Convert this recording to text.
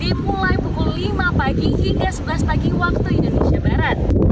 dimulai pukul lima pagi hingga sebelas pagi waktu indonesia barat